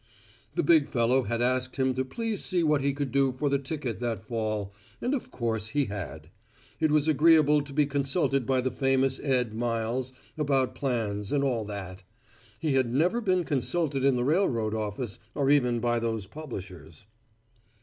The big fellow had asked him to please see what he could do for the ticket that fall, and of course he had. It was agreeable to be consulted by the famous Ed Miles about plans and all that. He had never been consulted in the railroad office, or even by those publishers.